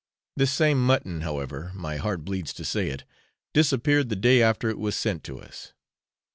This same mutton, however my heart bleeds to say it disappeared the day after it was sent to us.